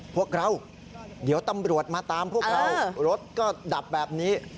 พวกเราเดี๋ยวตำรวจมาตามพวกเรารถก็ดับแบบนี้